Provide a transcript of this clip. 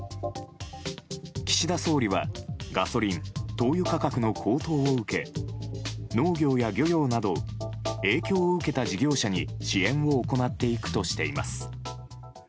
岸田総理はガソリン、灯油価格の高騰を受け農業や漁業など影響を受けた事業者に支援を行っていくとしています。